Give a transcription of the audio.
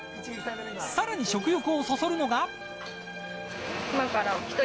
さらに食欲をそそるのが。